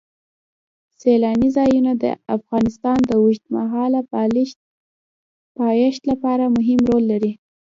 سیلانی ځایونه د افغانستان د اوږدمهاله پایښت لپاره مهم رول لري.